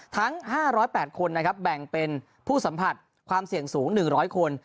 ทั้ง๕๐๘คนนะครับแบ่งเป็นผู้สัมผัสความเสี่ยงสูง๑๐๐คน